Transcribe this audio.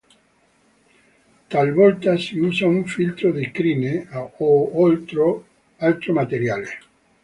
Talvolta si usa un filtro di "crine" o altro materiale.